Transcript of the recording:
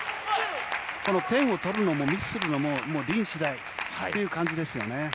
この点を取るのもミスするのもリン次第という感じですね。